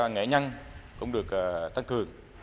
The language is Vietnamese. nghệ nhân cũng được tăng cường